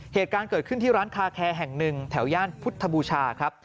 เหตุการณ์เกิดขึ้นที่ร้านคาแคร์แห่งหนึ่งแถวย่านพุทธบูชาครับ